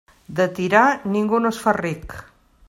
De tirar, ningú no es fa ric.